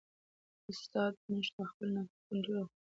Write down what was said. استاد موږ ته د خپل نفس د کنټرول او د اخلاقي برلاسۍ لارې ښيي.